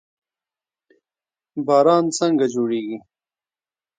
باران څنګه جوړیږي؟